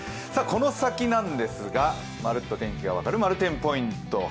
この先なんですが、「まるっと！天気」が分かる、まる天ポイント。